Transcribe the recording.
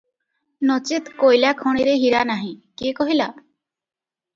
ନଚେତ୍ କୋଇଲା ଖଣିରେ ହୀରା ନାହିଁ କିଏ କହିଲା?